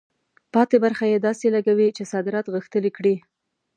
پاتې برخه یې داسې لګوي چې صادرات غښتلي کړي.